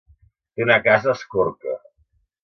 Té una casa a Escorca.